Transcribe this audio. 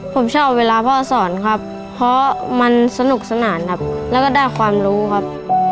ผมชอบเวลาพ่อสอนครับเพราะมันสนุกสนานครับแล้วก็ได้ความรู้ครับ